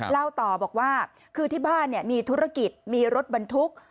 เล่าต่อบอกว่าคือที่บ้านมีธุรกิจมีรถบรรทุก